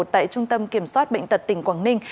tại trung tâm kiểm soát bệnh tật tỉnh quảng ninh